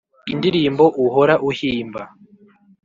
indirimbo uhora uhimba